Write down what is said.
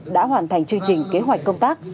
đã hoàn thành chương trình kế hoạch công tác